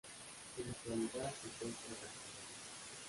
En la actualidad se encuentra restaurado.